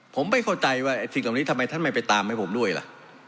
ผมไม่เข้าใจว่าสิ่งเหล่านี้ทำไมท่านไม่ไปตามให้ผมด้วยล่ะ